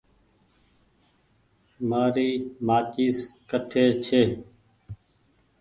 مآري مآچيس ڪٺي ڇي۔